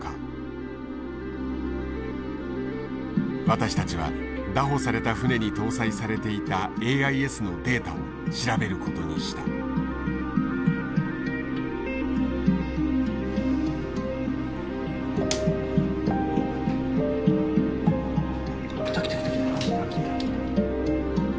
私たちは拿捕された船に搭載されていたＡＩＳのデータを調べることにした。来た来た来た来た。